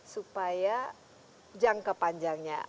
supaya jangka panjangnya